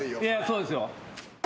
そうですよ。